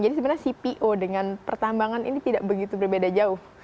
jadi sebenarnya cpo dengan pertambangan ini tidak begitu berbeda jauh